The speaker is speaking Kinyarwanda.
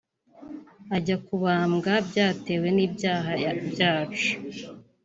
Ajya kubambwa byatewe n’ibyaha byacu